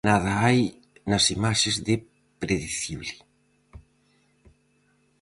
Nada hai nas imaxes de predicible.